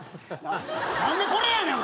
何でこれやねん。